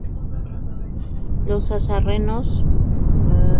Los sarracenos hicieron una salida, pero fueron derrotados, aunque Enna no llegó a caer.